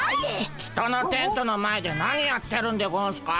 人のテントの前で何やってるんでゴンスか？